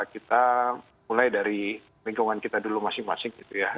kita mulai dari lingkungan kita dulu masing masing gitu ya